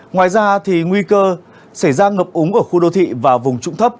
ngoài ra nguy cơ xảy ra ngập úng ở khu đô thị và vùng trụng thấp